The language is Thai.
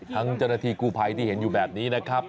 เจ้าหน้าที่กู้ภัยที่เห็นอยู่แบบนี้นะครับ